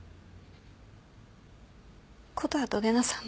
琴葉と玲奈さん。